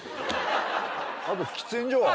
あと喫煙所は？